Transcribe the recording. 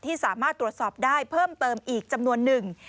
สามารถตรวจสอบได้เพิ่มเติมอีกจำนวนหนึ่ง